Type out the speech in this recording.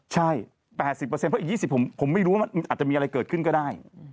ใช่๘๐เพราะอีก๒๐ผมไม่รู้ว่ามันอาจจะมีอะไรเกิดขึ้นก็ได้